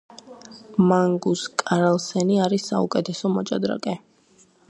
მაგნუს კარლსენი არის საუკეთესო მოჭადრაკე